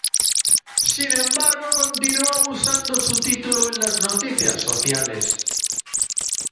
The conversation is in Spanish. Sin embargo continuó usando su título en las noticias sociales.